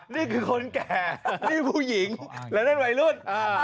นี่คือคนแก่นี่ผู้หญิงและนั่นวัยรุ่น